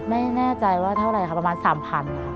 ไม่แน่ใจว่าเท่าไหร่ค่ะประมาณ๓๐๐ค่ะ